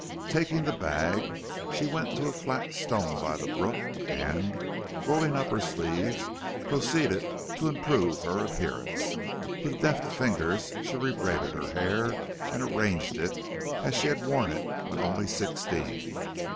Taking the bag, she went to a flat stone by the brook and, rolling up her sleeves, proceeded to improve her appearance. With deft fingers she rebraided her hair and arranged it as she had worn it when only sixteen.